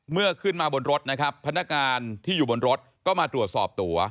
ขึ้นมาบนรถนะครับพนักงานที่อยู่บนรถก็มาตรวจสอบตัว